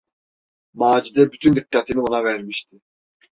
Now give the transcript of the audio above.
Macide bütün dikkatini ona vermişti.